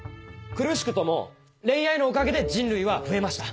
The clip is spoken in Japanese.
苦しくとも恋愛のおかげで人類は増えました。